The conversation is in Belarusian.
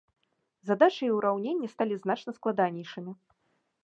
Задачы і ўраўненні сталі значна складанейшымі.